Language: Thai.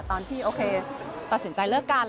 ตอนที่โอเคตัดสินใจเลิกกัน